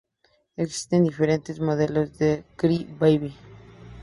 Existen diferentes modelos de Cry Baby.